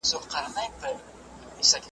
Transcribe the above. نه غازي نه څوک شهید وي نه جنډۍ پکښي کتار کې .